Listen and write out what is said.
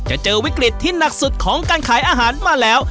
เจอวิกฤตที่หนักสุดของการขายอาหารมาแล้ว